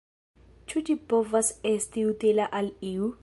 Ĉu ĝi povas esti utila al iu?